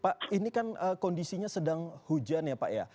pak ini kan kondisinya sedang hujan ya pak ya